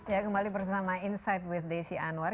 ya kembali bersama insight with desi anwar